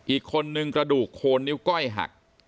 อีกคนนึงกระดูกโคลนิ้วก้อยหัก